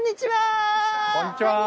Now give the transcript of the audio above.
こんにちは！